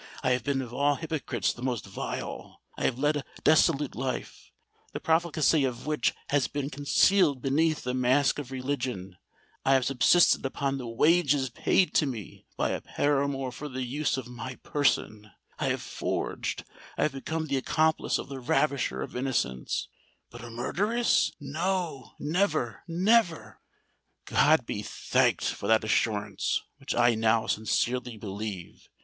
I have been of all hypocrites the most vile—I have led a dissolute life, the profligacy of which has been concealed beneath the mask of religion—I have subsisted upon the wages paid to me by a paramour for the use of my person—I have forged—I have become the accomplice of the ravisher of innocence,—but a murderess—no—never—never!" "God be thanked for that assurance, which I now sincerely believe!"